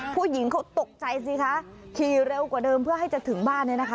ผู้หญิงเขาตกใจสิคะขี่เร็วกว่าเดิมเพื่อให้จะถึงบ้านเนี่ยนะคะ